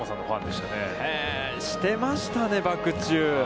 してましたね、バク宙。